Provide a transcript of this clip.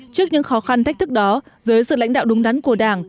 trước những khó khăn thách thức đó dưới sự lãnh đạo đúng đắn của đảng